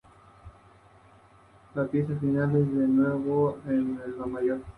La pieza final es de nuevo en la mayor.